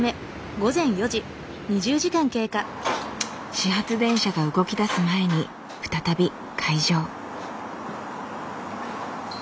始発電車が動きだす前に再び開場。